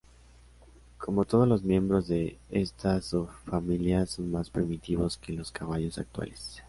Como todos los miembros de esta subfamilia, son más primitivos que los caballos actuales.